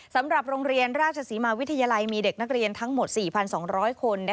สำหรับโรงเรียนราชศรีมาวิทยาลัยมีเด็กนักเรียนทั้งหมด๔๒๐๐คน